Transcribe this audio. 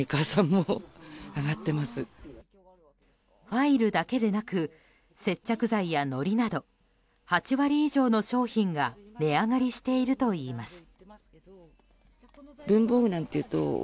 ファイルだけでなく接着剤やのりなど８割以上の商品が値上がりしているといいます。